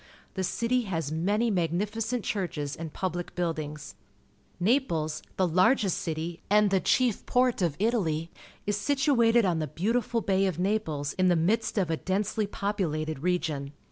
The city has many magnificent churches and public buildings. Kxi^les, the largest city and the chief port of Italy, is situated on the beautiful Bay of Napjes in the midst of a densely populated region.